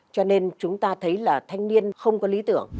cho nên chúng ta thấy là thanh niên không có lý tưởng